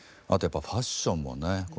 やっぱファッションもね